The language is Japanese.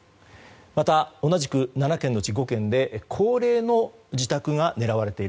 また同じく７件のうち５件で高齢の自宅が狙われている。